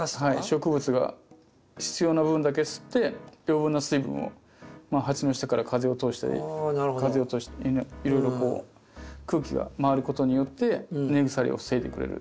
植物が必要な分だけ吸って余分な水分を鉢の下から風を通したりいろいろ空気が回ることによって根腐れを防いでくれる。